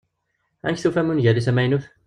Amek tufam ungal-is amaynut?